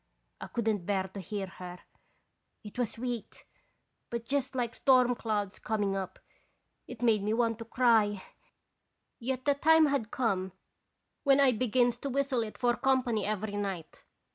I could n't bear to hear her it was sweet, but just like storm clouds coming up, it made me want to cry yet the time had 31 radons bisitation. 177 come when I begins to whistle it for company every night.